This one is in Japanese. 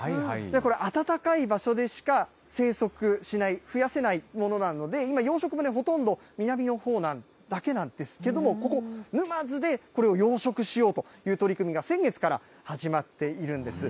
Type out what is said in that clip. これ、暖かい場所でしか生息しない、増やせないものなので、今、養殖もほとんど南のほうだけなんですけども、ここ、沼津で、これを養殖しようという取り組みが先月から始まっているんです。